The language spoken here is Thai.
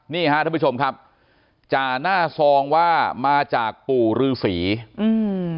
นี่ฮะท่านผู้ชมครับจ่าหน้าซองว่ามาจากปู่ฤษีอืม